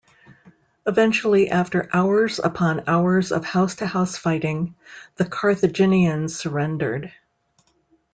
Eventually after hours upon hours of house-to-house fighting, the Carthaginians surrendered.